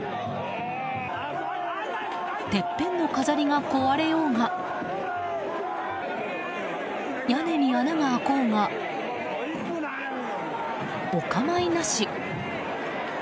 てっぺんの飾りが壊れようが屋根に穴が開こうがお構いなし。